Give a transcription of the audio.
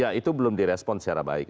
ya itu belum direspon secara baik